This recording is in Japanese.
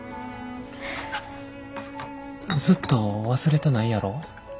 ずっと忘れたないやろ。